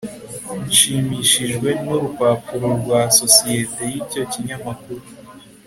nshimishijwe nurupapuro rwa societe yicyo kinyamakuru